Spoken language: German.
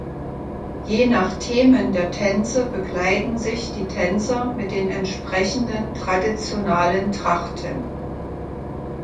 Je nach Themen der Tänze bekleiden sich die Tänzer mit den entsprechenden traditionalen Trachten.